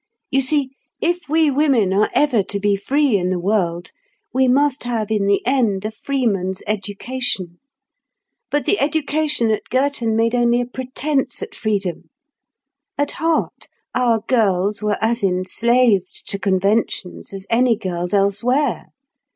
You see, if we women are ever to be free in the world, we must have in the end a freeman's education. But the education at Girton made only a pretence at freedom. At heart, our girls were as enslaved to conventions as any girls elsewhere.